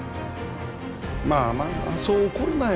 まあまあまあそう怒るなよ